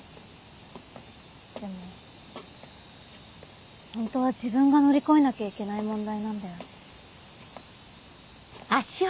でもホントは自分が乗り越えなきゃいけない問題なんだよね。